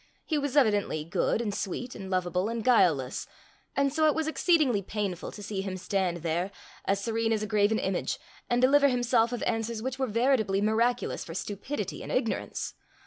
He was evidently good, and sweet, and lovable, and guileless; and so it was exceedingly painful to see him stand there, as serene as a graven image, and deliver himself of answers which were veritably miraculous for stupidity and ignorance.